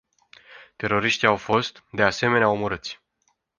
Teroriștii au fost, de asemenea, omorâți.